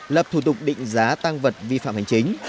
lập thủ tục định giá tăng vật vi phạm hành chính